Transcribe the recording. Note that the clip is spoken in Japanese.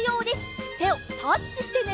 てをタッチしてね！